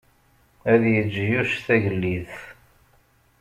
Ad yeǧǧ Yuc Tagellidt.